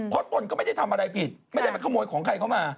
เพราะตนก็ไม่ได้ทำอะไรผิดไม่ได้มาขโมยของใครเข้ามา